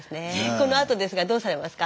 このあとですがどうされますか？